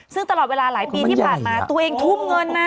ซึ่งตลอดเวลาหลายปีที่ผ่านมาตัวเองทุ่มเงินนะ